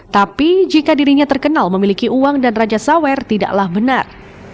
tapi jika dirinya terkenal memiliki uang dan raja sawer tidaklah benar